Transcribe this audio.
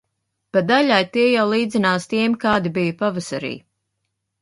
Pa daļai tie jau līdzinās tiem, kādi bija pavasarī.